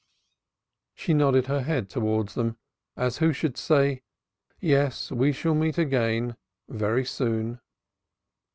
She nodded her head towards them, as who should say "Yes, we shall meet again very soon."